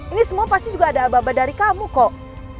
ini semua pasti juga ada aba aba dari kamu kok